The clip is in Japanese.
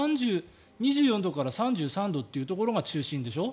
２４度から３３度というところが中心でしょう。